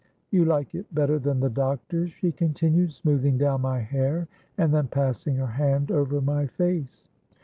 —'You like it better than the doctor's?' she continued, smoothing down my hair, and then passing her hand over my face.